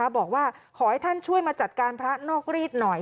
บอกว่าขอให้ท่านช่วยมาจัดการพระนอกรีดหน่อย